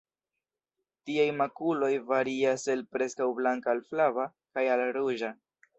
Tiaj makuloj varias el preskaŭ blanka al flava, kaj al ruĝa.